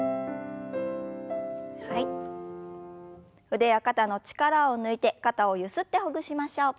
腕や肩の力を抜いて肩をゆすってほぐしましょう。